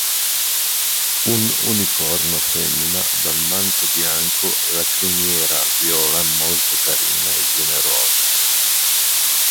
Un unicorno femmina dal manto bianco e la criniera viola molto carina e generosa.